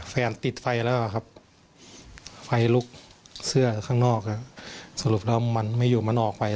แฟนติดไฟแล้วครับไฟลุกเสื้อข้างนอกสรุปแล้วมันไม่อยู่มันออกไป